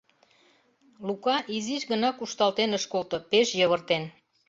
— Лука изиш гына кушталтен ыш колто, пеш йывыртен.